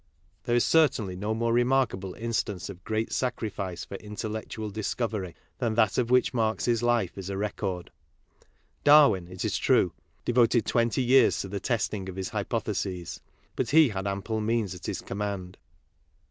There is certainly no more remarkable instance of great sacrifice for intellectual discovery than that of which I^Iarx's life is a record. Darwin, it is true, devoted twenty years to the testing of his hypotheses, but he had ample means at his com mand.